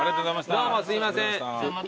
どうもすいません。